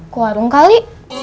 ke warung kali